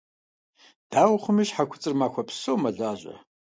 Дауэ хъуми щхьэ куцӀыр махуэ псом мэлажьэ.